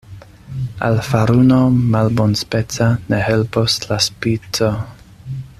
Al faruno malbonspeca ne helpos la spico.